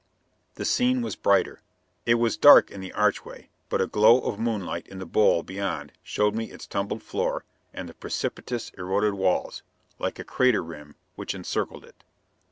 The scene was brighter. It was dark in the archway, but a glow of moonlight in the bowl beyond showed me its tumbled floor and the precipitous, eroded walls, like a crater rim, which encircled it.